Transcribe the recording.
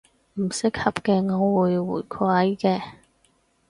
唔合適嘅，我會回饋嘅